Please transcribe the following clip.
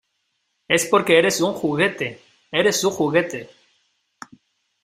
Es porque eres un juguete. Eres su juguete .